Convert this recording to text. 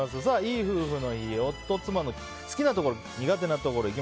いい夫婦の日夫・妻の好きなところ・苦手なところ。